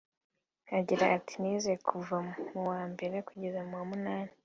Agira ati “Nize kuva mu wa mbere kugera mu wa munani